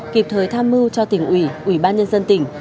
kịp thời tham mưu cho tỉnh ủy ủy ban nhân dân tỉnh